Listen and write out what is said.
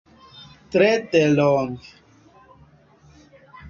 Tre delonge.